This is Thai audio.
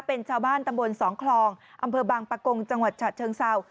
เป็นชาวบ้านตำบลสองคลองอำเภอบางปะกงจังหวัดฉะเชิงเศร้า